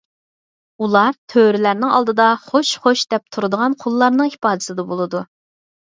ئۇلار تۆرىلەرنىڭ ئالدىدا خوش ـ خوش دەپ تۇرىدىغان قۇللارنىڭ ئىپادىسىدە بولىدۇ.